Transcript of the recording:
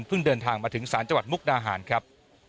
เพิ่งเดินทางมาถึงสารจังหวัดมุกนาหารครับ